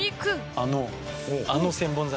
あの！